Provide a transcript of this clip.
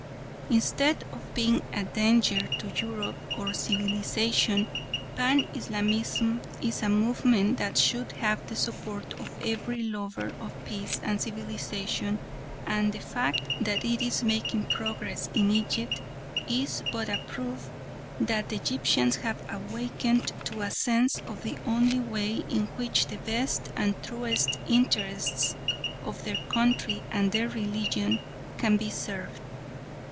Instead of being a danger to Europe or civilisation Pan Islamism is a movement that should have the support of every lover of peace and civilisation, and the fact that it is making progress in Egypt is but a proof that the Egyptians have awakened to a sense of the only way in which the best and truest interests of their country and their religion can be served.